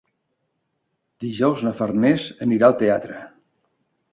Dijous na Farners anirà al teatre.